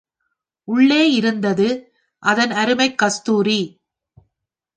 உள்ளே இருந்தது, அதன் அருமைக் கஸ்தூரி!